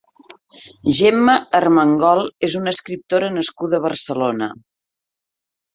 Gemma Armengol és una escriptora nascuda a Barcelona.